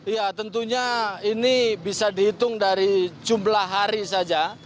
ya tentunya ini bisa dihitung dari jumlah hari saja